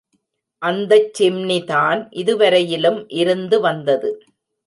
அந்தச் சிம்னி தான் இதுவரையிலும் இருந்து வந்தது.